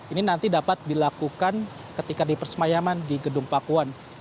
ini nanti dapat dilakukan ketika di persemayaman di gedung pakuan